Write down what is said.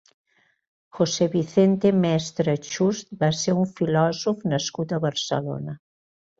José Vicente Mestre Chust va ser un filòsof nascut a Barcelona.